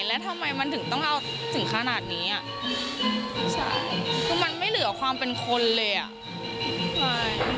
แล้วทำไมมันถึงต้องเอาถึงขนาดนี้อ่ะใช่คือมันไม่เหลือความเป็นคนเลยอ่ะใช่